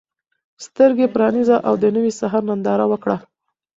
سترګې پرانیزه او د نوي سهار ننداره وکړه.